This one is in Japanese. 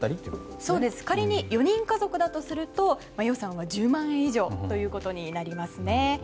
仮に４人家族だとすると、予算は１０万円以上となりますね。